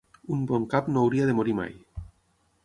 Un bon cap no hauria de morir mai.